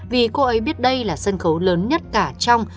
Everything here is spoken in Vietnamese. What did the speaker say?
vì cô ấy biết đây là sân khấu lớn nhất cả trong